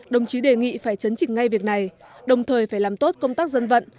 đồng chí đề nghị phải chấn chỉnh ngay việc này đồng thời phải làm tốt công tác dân vận